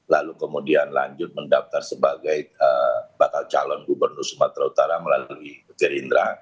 lalu kemudian lanjut mendaftar sebagai bakal calon gubernur sumatera utara melalui gerindra